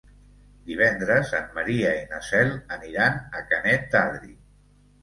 Divendres en Maria i na Cel aniran a Canet d'Adri.